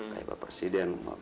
kayak bapak presiden